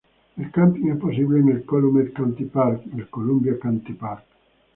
El camping es posible en el Calumet County Park y el Columbia County Park.